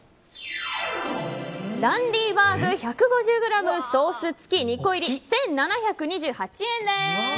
ランディバーグ１５０ｇソース付き２個入り、１７２８円です。